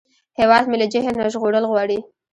هیواد مې له جهل نه ژغورل غواړي